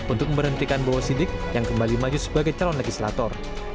untuk memberhentikan bowo sidik yang kembali maju sebagai calon legislator